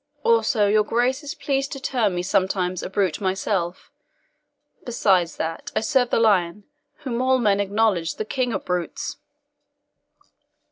Also, your Grace is pleased to term me sometimes a brute myself; besides that, I serve the Lion, whom all men acknowledge the king of brutes."